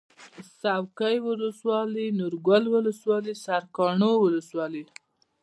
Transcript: څوکۍ ولسوالي نورګل ولسوالي سرکاڼو ولسوالي